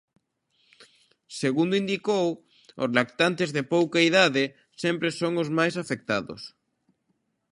Segundo indicou, os lactantes de pouca idade sempre son os máis afectados.